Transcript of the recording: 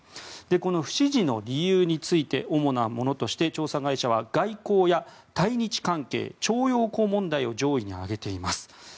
この不支持の理由について主なものとして調査会社は外交や対日関係・徴用工問題を上位に挙げています。